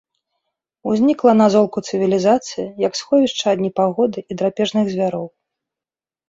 Узнікла на золку цывілізацыі як сховішча ад непагоды і драпежных звяроў.